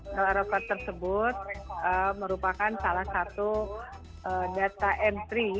new oral record tersebut merupakan salah satu data entry